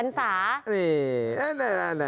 นี่นี่นี่นี่